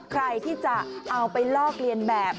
ใครที่จะเอาไปลอกเลียนแบบ